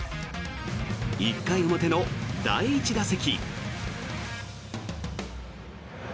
１回表の第１打席。